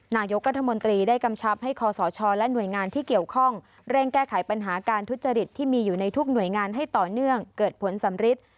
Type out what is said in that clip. นายกรัฐมนตรีได้กำชับให้คอสชและหน่วยงานที่เกี่ยวข้องเร่งแก้ไขปัญหาการทุจริตที่มีอยู่ในทุกหน่วยงานให้ต่อเนื่องเกิดผลสำริด